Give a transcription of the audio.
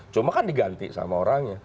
cuma kan diganti sama orangnya